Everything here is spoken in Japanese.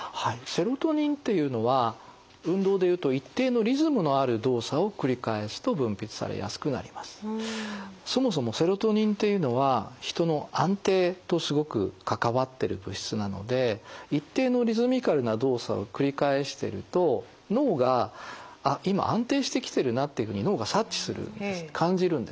セロトニンというのは運動でいうとそもそもセロトニンというのは人の安定とすごく関わってる物質なので一定のリズミカルな動作を繰り返してると脳が「あっ今安定してきてるな」っていうふうに脳が察知するんです感じるんですね。